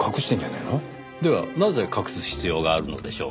ではなぜ隠す必要があるのでしょう？